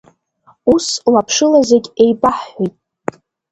Ус лаԥшыла зегь еибаҳҳәеит…